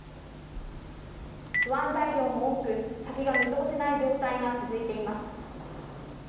不安材料も多く、先が見通せない状態が続いています。